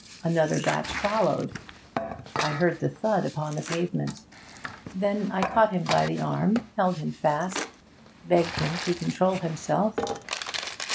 Another batch followed; I heard the thud upon the pavement. Then I caught him by the arm, held him fast, begged him to control himself.